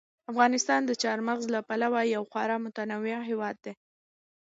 افغانستان د چار مغز له پلوه یو خورا متنوع هېواد دی.